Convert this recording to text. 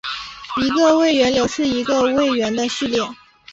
一个位元流是一个位元的序列。